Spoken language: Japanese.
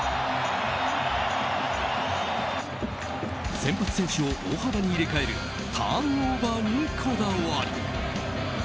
先発選手を大幅に入れ替えるターンオーバーにこだわり。